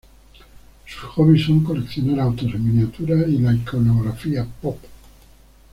Sus hobbies son coleccionar autos en miniatura, y la iconografía pop.